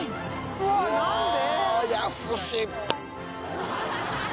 うわ何で？